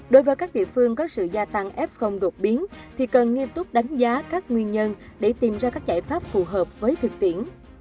đối với các địa phương có sự gia tăng f đột biến thì cần nghiêm túc đánh giá các nguyên nhân để tìm ra các giải pháp phù hợp với thực tiễn